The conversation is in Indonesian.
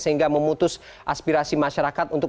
sehingga memutus aspirasi masyarakat untuk